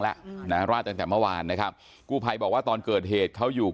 แล้วนะราดตั้งแต่เมื่อวานนะครับกู้ภัยบอกว่าตอนเกิดเหตุเขาอยู่